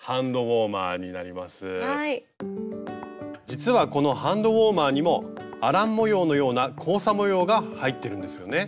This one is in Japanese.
実はこのハンドウォーマーにもアラン模様のような交差模様が入ってるんですよね？